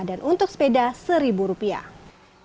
dan untuk sepeda seribu rupiah